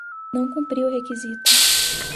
Não cumpri o requisito